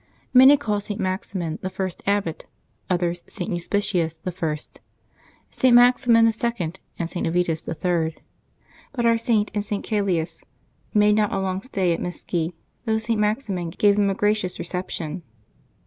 Many call St. Maximin the first abbot, others St. Euspicius the first, St. Maximin the sec ond, and St. Avitus the third. But our Saint and St. Calais made not a long stay at Miscy, though St. Maximin gave them a gracious reception.